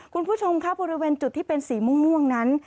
คุณผู้ชมครับบริเวณจุดที่เป็นสีม่วงนั้น